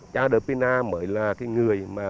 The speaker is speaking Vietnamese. cha đời pina mới là cái người mà